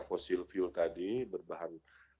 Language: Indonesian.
fosil fuel tadi berbahan